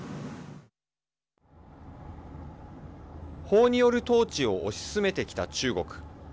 法による統治を推し進めてきた中国。